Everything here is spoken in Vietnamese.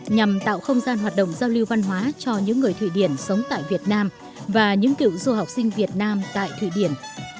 nhằm tạo không gian hoạt động giao lưu văn hóa cho những người thụy điển sống tại việt nam và những cựu du học sinh việt nam tại thụy điển